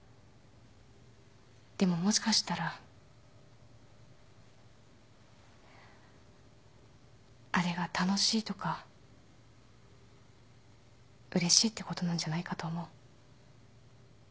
でももしかしたらあれが楽しいとかうれしいってことなんじゃないかと思う